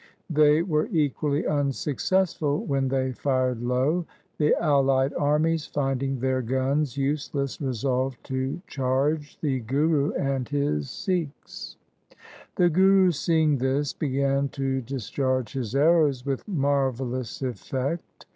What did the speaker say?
They were equally unsuccess ful when they fired low. ' The allied armies finding their guns useless resolved to charge the Guru and his Sikhs. The Guru seeing this began to discharge his arrows with marvellous effect.